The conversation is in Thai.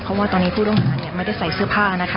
เพราะว่าตอนนี้ผู้ต้องหาไม่ได้ใส่เสื้อผ้านะคะ